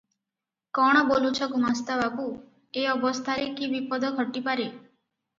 କଣ ବୋଲୁଛ ଗୁମାସ୍ତା ବାବୁ, ଏ ଅବସ୍ଥାରେ କି ବିପଦ ଘଟି ପାରେ?